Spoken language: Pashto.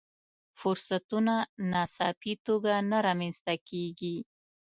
فرصتونه ناڅاپي توګه نه رامنځته کېږي.